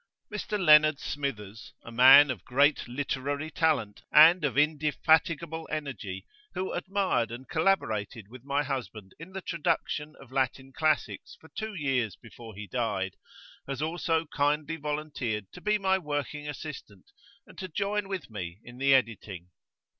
[p.xvi]Mr. Leonard Smithers, a man of great literary talent and of indefatigable energy, who admired and collaborated with my husband in the traduction of Latin Classics for two years before he died, has also kindly volunteered to be my working assistant and to join with me in the editing.